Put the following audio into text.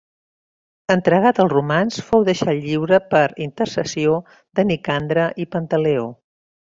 Entregat als romans fou deixat lliure per intercessió de Nicandre i Pantaleó.